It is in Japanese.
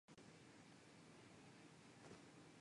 おーい、中村君。ちょっとこっちに来て。